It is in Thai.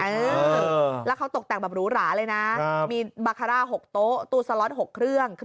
เออแล้วเขาตกแต่งแบบหรูหราเลยนะมีบาคาร่า๖โต๊ะตู้สล็อต๖เครื่อง